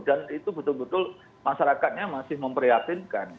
dan itu betul betul masyarakatnya masih memprihatinkan